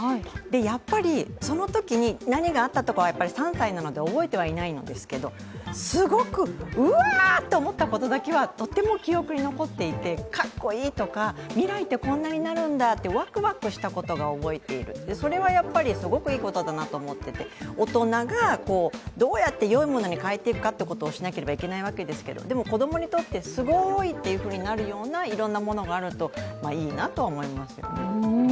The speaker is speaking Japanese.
やっぱりそのときに何があったとかというのは３歳なので覚えてはいないんですけれども、すごく、うわーっと思ったことはとっても記憶に残っていて、かっこいいとか未来ってこんなになるんだってワクワクしたことは覚えている、それはすごくいいことだなと思ってて大人がどうやってよいものに変えていくかというふうにしなければいけないんですがでも、子供にとってすごいってなるいろいろなものがあるといいなと思いますよね。